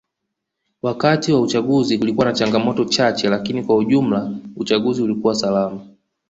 Wakati wa uchaguzi kulikuwa na changamoto chache lakini kwa jumla uchaguzi ulikuwa salama